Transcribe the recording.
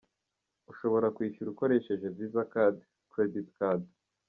Ushobora kwishyura ukoresheje visa card, credit card.